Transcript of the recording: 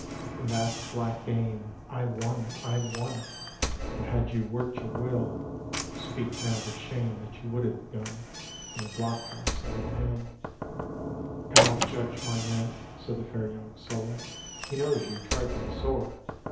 " In that black game I won, I won! But had you worked your will, Speak now the shame that you would have done In the blockhouse under the hill I "" God judge my men !" said the fair young soul, " He knows you tried them sore.